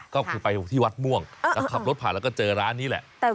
ก็คือไปที่วัดม่วงแล้วขับรถผ่านแล้วก็เจอร้านนี้แหละ